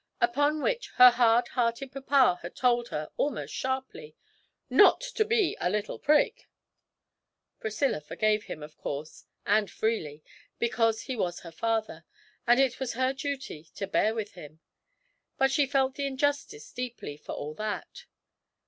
Upon which her hard hearted papa had told her, almost sharply, 'not to be a little prig!' Priscilla forgave him, of course, and freely, because he was her father and it was her duty to bear with him; but she felt the injustice deeply, for all that.